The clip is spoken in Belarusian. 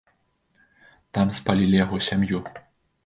Там спалілі яго сям'ю.